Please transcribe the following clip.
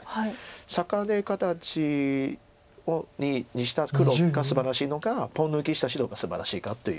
裂かれ形にした黒がすばらしいのかポン抜きした白がすばらしいかっていう。